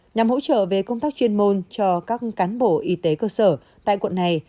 nhằm hỗ trợ về công tác chuyên môn cho các cán bộ y tế cơ sở tại quận này